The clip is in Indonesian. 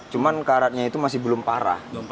cuman karatnya itu masih belum parah